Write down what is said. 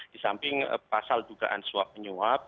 di samping pasal dugaan suap menyuap